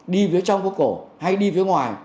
đi phía trong của cổ hay đi phía ngoài